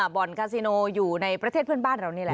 บ่อนคาซิโนอยู่ในประเทศเพื่อนบ้านเรานี่แหละ